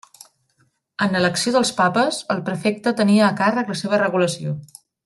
En l'elecció dels papes el prefecte tenia a càrrec la seva regulació.